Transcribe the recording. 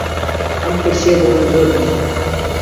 ئەم کورسییە بۆ من زۆر نزمە.